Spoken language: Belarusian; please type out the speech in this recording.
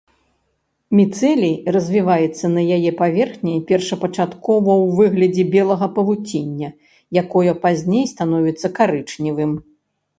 Міцэлій развіваецца на яе паверхні першапачаткова ў выглядзе белага павуціння, якое пазней становіцца карычневым.